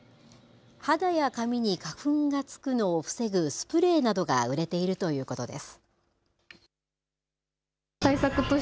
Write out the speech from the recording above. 肌や髪に花粉がつくのを防ぐスプレーなどが売れているということです。